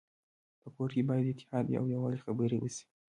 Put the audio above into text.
په کور کي باید د اتحاد او يووالي خبري وسي.